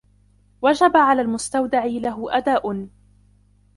وَجَبَ عَلَى الْمُسْتَوْدَعِ لَهُ أَدَاءُ